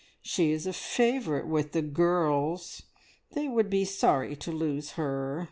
She is a favourite with the girls. They would be sorry to lose her.